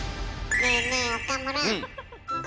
ねえねえ岡村。